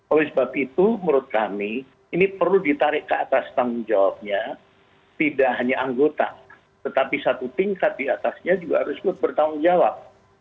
oleh sebab itu menurut kami ini perlu ditarik ke atas tanggung jawabnya tidak hanya anggota tetapi satu tingkat diatasnya juga harus ikut bertanggung jawab